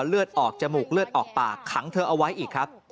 เลือดออกจมูกเลือดออกปากขังเธอเอาไว้อีกครับ